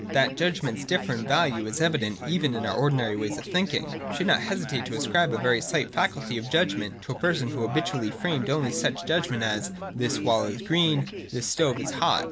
That judgments differ in value is evident even in our ordinary ways of thinking. We should not hesitate to ascribe a very slight faculty of judgment to a person who habitually framed only such judgments as, 'This wall is green,' ' This stove is hot.'